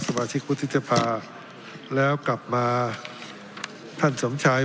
สมาชิกวุฒิสภาแล้วกลับมาท่านสมชัย